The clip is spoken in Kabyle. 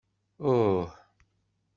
Uh!